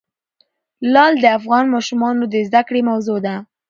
لعل د افغان ماشومانو د زده کړې موضوع ده.